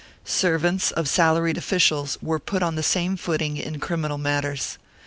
Servants of salaried officials were put on the same footing in criminal matters.